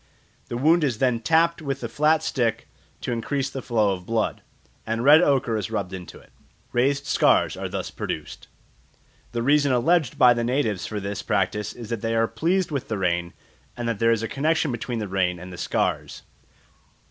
The wound is then tapped with a flat stick to increase the flow of blood, and red ochre is rubbed into it. Raised scars are thus produced. The reason alleged by the natives for this practice is that they are pleased with the rain, and that there is a connexion between the rain and the scars.